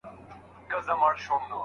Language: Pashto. زموږ هېواد د هند په پرتله ښه وضعیت درلود.